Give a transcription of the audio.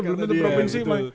belum itu provinsi